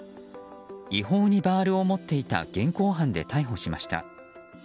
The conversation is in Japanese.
違法にバールを持っていた現行犯で逮捕しました。